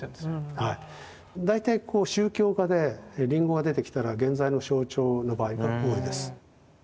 大体宗教画でリンゴが出てきたら原罪の象徴の場合が多いです。